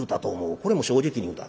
これも正直に言うた。